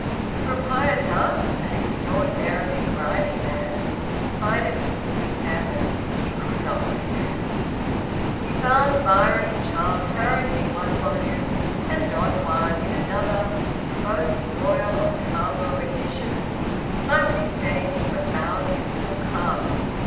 The proprietor, an extraordinarily grimy man, invited him to examine. He could not refuse. He found Byron's "Childe Harold" in one volume and "Don Juan" in another, both royal octavo editions, slightly stained, but bound in full calf.